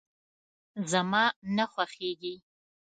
زما نه خوښيږي.